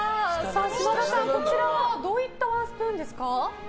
島田さん、こちらはどういったワンスプーンですか？